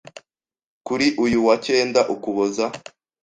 kuri uyu wa cyenda Ukuboza